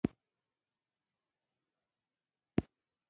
د دواړو موادو محلولونه په تلې کې کیږدئ او وزن یې کړئ.